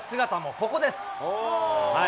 ここです。